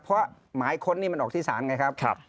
เพราะหมายค้นนี่มันออกที่ศาลไงครับ